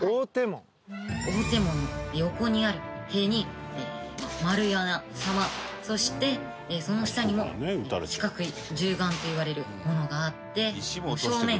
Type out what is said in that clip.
大手門の横にある塀に丸い穴狭間そしてその下にも四角い銃眼といわれるものがあって。